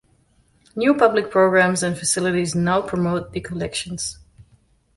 New public programmes and facilities now promote the collections.